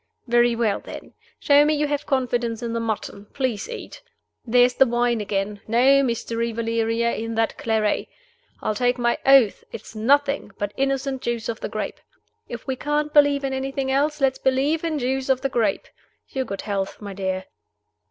_ Very well, then. Show me you have confidence in the mutton; please eat. There's the wine, again. No mystery, Valeria, in that claret I'll take my oath it's nothing but innocent juice of the grape. If we can't believe in anything else, let's believe in juice of the grape. Your good health, my dear."